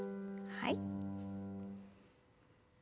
はい。